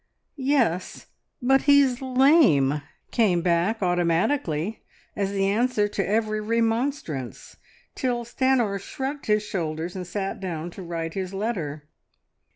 "Yes, but he's lame!" came back automatically as the answer to every remonstrance, till Stanor shrugged his shoulders and sat down to write his letter.